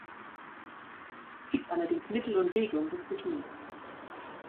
Es gibt allerdings Mittel und Wege, um dies zu tun.